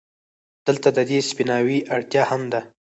دلته د دې سپيناوي اړتيا هم ده،